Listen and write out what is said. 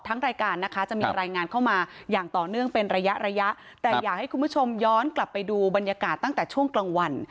รายการนะคะจะมีรายงานเข้ามาอย่างต่อเนื่องเป็นระยะระยะแต่อยากให้คุณผู้ชมย้อนกลับไปดูบรรยากาศตั้งแต่ช่วงกลางวัน